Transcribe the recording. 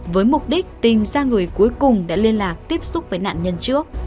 với mục đích tìm ra người cuối cùng đã liên lạc tiếp xúc với nạn nhân trước